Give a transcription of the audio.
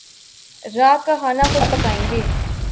رات کا کھانا خود پکائیں گے